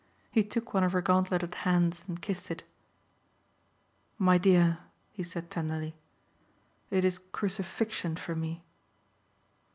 He took one of her gauntleted hands and kissed it. "My dear," he said tenderly, "it is crucifixion for me."